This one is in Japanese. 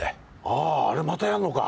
あああれまたやんのか？